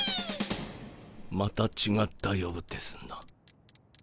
またちがったようですな。